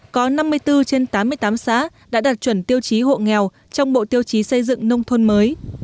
có năm mươi bốn trên tám mươi tám xã đã đạt chuẩn tiêu chí hộ nghèo trong bộ tiêu chí xây dựng nông thôn mới